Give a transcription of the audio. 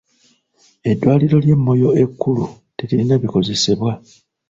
Eddwaliro ly'e Moyo ekkulu teririna bikozesebwa.